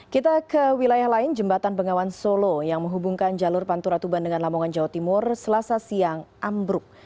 kita ke wilayah lain jembatan bengawan solo yang menghubungkan jalur pantura tuban dengan lamongan jawa timur selasa siang ambruk